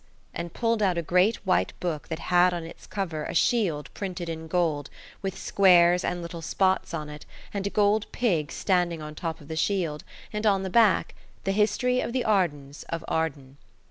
and pulled out a great white book that had on its cover a shield printed in gold with squares and little spots on it, and a gold pig standing on the top of the shield, and on the back, "The History of the Ardens of Arden."